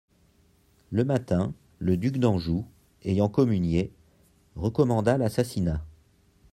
Le matin, le duc d'Anjou, ayant communié, recommanda l'assassinat.